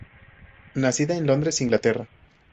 Nacida en Londres, Inglaterra.